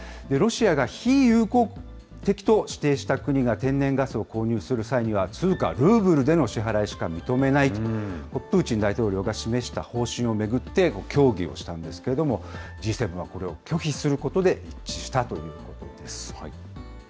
ロシアが非友好的と指摘した国が天然ガスを購入する際には、通貨ルーブルでの支払いしか認めないと、プーチン大統領が示した方針を巡って、協議をしたんですけれども、Ｇ７はこれを拒否することで一致したということです。